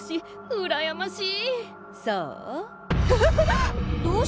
うらやましい！